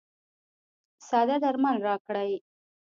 ساده درمل راکړئ.